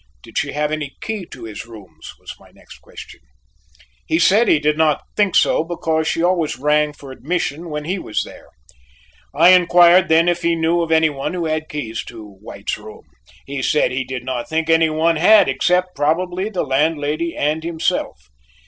"Did she have any key to his rooms?" was my next question. He said he did not think so, because she always rang for admission when he was there. I inquired then if he knew of any one who had keys to White's room. He said he did not think any one had except, probably, the landlady and himself.